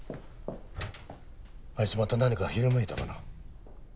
あいつまた何かひらめいたかな？